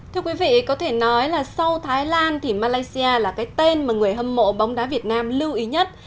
thưa quý vị có thể nói là sau thái lan thì malaysia là cái tên mà người hâm mộ bóng đá việt nam lưu ý nhất